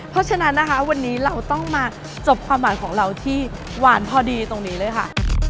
เพราะฉะนั้นนะคะวันนี้เราต้องมาจบความหวานของเราที่หวานพอดีตรงนี้เลยค่ะ